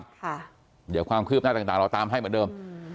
เดี๋ยวความคืบหน้าต่างเราตามให้เหมือนเดิม